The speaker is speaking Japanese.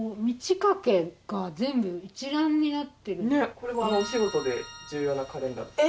これもお仕事で重要なカレンダーです。